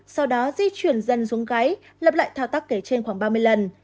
sau đó di chuyển dần xuống gáy lập lại thao tác kể trên khoảng ba mươi lần